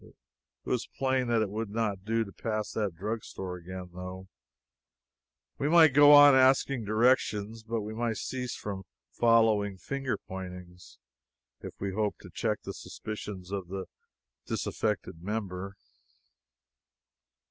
It was plain that it would not do to pass that drugstore again, though we might go on asking directions, but we must cease from following finger pointings if we hoped to check the suspicions of the disaffected member.